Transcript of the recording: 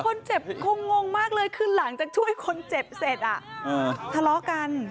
คนเจ็บคงงมากเลยคือหลังจากช่วยคนเจ็บเสร็จทะเลาะกัน